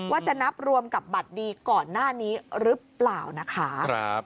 ว่าจะนับรวมกับบัตรดีก่อนหน้านี้หรือเปล่านะคะ